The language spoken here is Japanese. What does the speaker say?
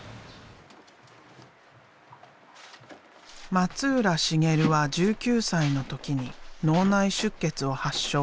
松浦繁は１９歳の時に脳内出血を発症。